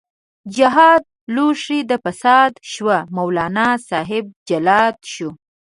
جهاد لوښی د فساد شو، مولانا صاحب جلاد شو